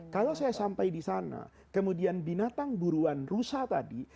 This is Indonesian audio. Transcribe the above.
kalau saya sampai di sana kemudian binatang buruan rusa tadi